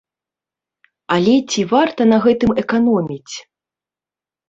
Але ці варта на гэтым эканоміць?